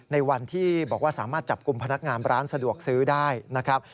ในวันที่บอกว่าสามารถจับกลุ่มพนักงานร้านสะดวกซื้อได้นะครับ